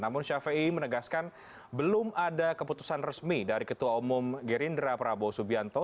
namun syafiei menegaskan belum ada keputusan resmi dari ketua umum gerindra prabowo subianto